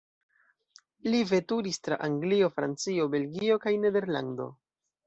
Li veturis tra Anglio, Francio, Belgio kaj Nederlando.